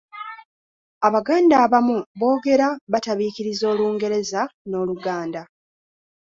Abaganda abamu boogera batabiikiriza Olungereza n'Oluganda.